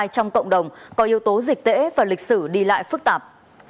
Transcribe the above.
trong cộng đồng có yếu tố dịch tễ và lịch sử đi lại phức tạp